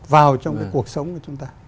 vào trong cái cuộc sống của chúng ta